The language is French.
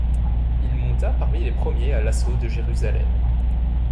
Il monta parmi les premiers à l'assaut de Jérusalem.